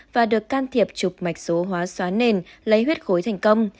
và được can thiệp chụp mạch số hóa xóa nền lấy huyết khối thành công